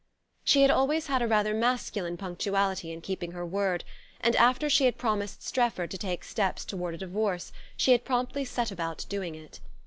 She had always had a rather masculine punctuality in keeping her word, and after she had promised Strefford to take steps toward a divorce she had promptly set about doing it.